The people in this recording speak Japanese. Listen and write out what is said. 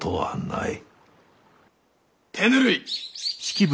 手ぬるい！